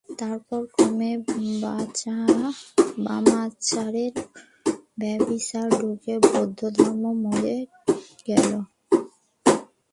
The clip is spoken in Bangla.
তারপর ক্রমে বামাচারের ব্যভিচার ঢুকে বৌদ্ধধর্ম মরে গেল।